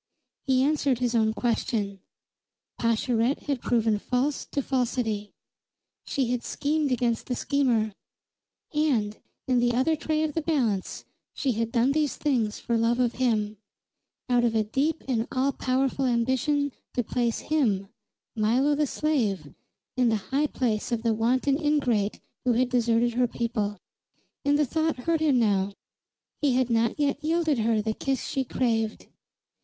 He answered his own question. Pascherette had proven false to falsity; she had schemed against the schemer; and, in the other tray of the balance she had done these things for love of him, out of a deep and all powerful ambition to place him, Milo the slave, in the high place of the wanton ingrate who had deserted her people. And the thought hurt him now; he had not yet yielded her the kiss she craved.